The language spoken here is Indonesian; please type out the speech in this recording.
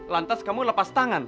lantas kamu lepas tangan